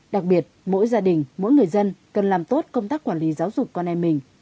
đặc biệt mỗi gia đình mỗi người dân cần làm tốt công tác quản lý giáo dục con em mình